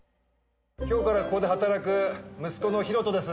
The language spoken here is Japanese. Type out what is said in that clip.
今日からここで働く息子の広翔です。